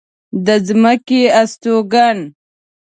د ځمکې استوگن